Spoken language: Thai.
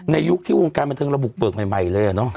ในยุคที่วงการมาตั้งละบุกเปิดใหม่เลยอ่ะเนาะ